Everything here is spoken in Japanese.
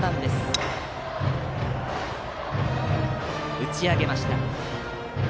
打ち上げました。